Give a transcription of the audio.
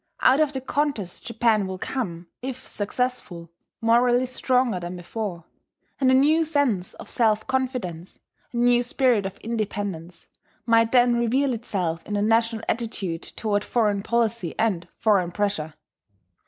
Out of the contest Japan will come, if successful, morally stronger than before; and a new sense of self confidence, a new spirit of independence, might then reveal itself in the national attitude toward foreign policy and foreign pressure.